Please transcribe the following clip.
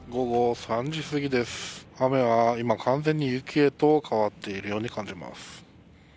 雨は今完全に雪へと変わっているように感じます。